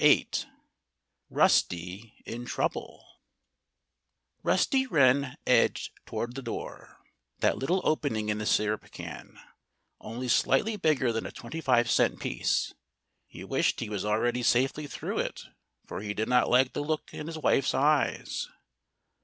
VIII RUSTY IN TROUBLE Rusty Wren edged toward the door that little opening in the syrup can, only slightly bigger than a twenty five cent piece. He wished he was already safely through it, for he did not like the look in his wife's eyes.